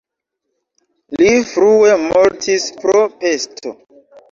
Li frue mortis pro pesto.